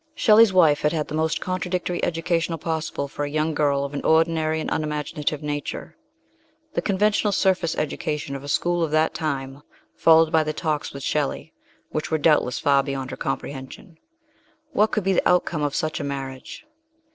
Shelley's wife had had the most contradictory educa tion possible for a young girl of an ordinary and unimaginative nature the conventional surface edu cation of a school of that time followed by the talks with Shelley, which were doubtless far beyond her comprehension. What could be the outcome of such a marriage?